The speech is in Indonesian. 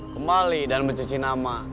kembali dan mencuci nama